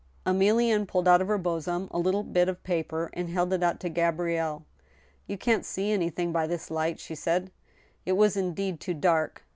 Emilienne pulled out of her bosom a little bit of paper and held it out to Gabrielle. " You can't see anything by this light," she said. It was, indeed, too dark.